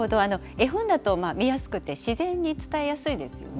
絵本だと見やすくて自然に伝えやすいですよね。